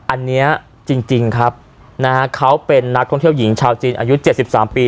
อันเนี้ยจริงจริงครับนะฮะเขาเป็นนักท่องเที่ยวหญิงชาวจีนอายุเจ็ดสิบสามปี